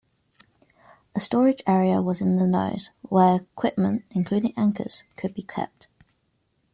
A storage area was in the nose, where equipment, including anchors, could be kept.